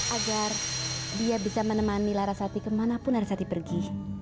agar dia bisa menemani larasati kemanapun larissati pergi